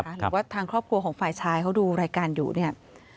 หรือว่าทางครอบครัวของฝ่ายชายเขาดูรายการอยู่เนี่ย